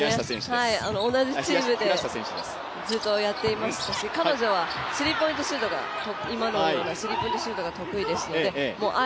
同じチームでずっとやっていましたし彼女は今のようなスリーポイントシュートが得意ですのであ